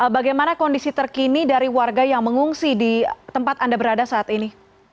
bagaimana kondisi terkini dari warga yang mengungsi di tempat anda berada saat ini